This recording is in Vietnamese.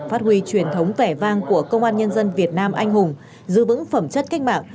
phát huy truyền thống vẻ vang của công an nhân dân việt nam anh hùng giữ vững phẩm chất cách mạng